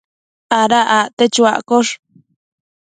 Ada acte chuaccosh